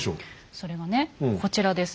それはねこちらです。